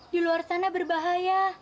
di luar sana berbahaya